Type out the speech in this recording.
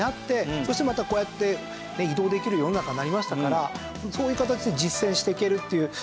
そしてまたこうやって移動できる世の中になりましたからそういう形で実践していけるっていう。